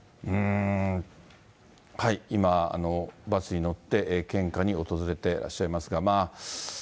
今、バスに乗って、献花に訪れてらっしゃいますが。